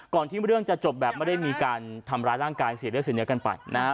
ที่เรื่องจะจบแบบไม่ได้มีการทำร้ายร่างกายเสียเลือดเสียเนื้อกันไปนะฮะ